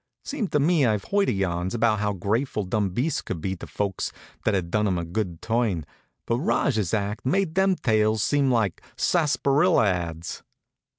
Seems to me I've heard yarns about how grateful dumb beasts could be to folks that had done 'em a good turn, but Rajah's act made them tales seem like sarsaparilla ads.